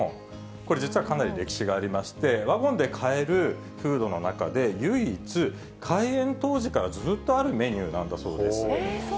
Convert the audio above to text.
これ、実はかなり歴史がありまして、ワゴンで買えるフードの中で、唯一、開園当時からずっとあるメニューなんだそうです。